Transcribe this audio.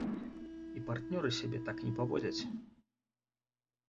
І партнёры сябе так не паводзяць.